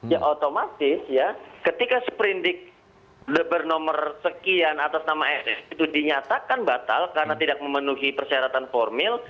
ya otomatis ya ketika seperindik bernomor sekian atas nama fs itu dinyatakan batal karena tidak memenuhi persyaratan formil